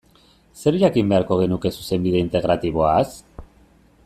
Zer jakin beharko genuke Zuzenbide Integratiboaz?